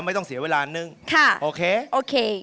ไม่ต้องเสียเวลานึงค่ะโอเคโอเค